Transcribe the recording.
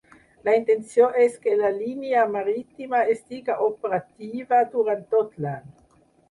La intenció és que la línia marítima estiga operativa durant tot l’any.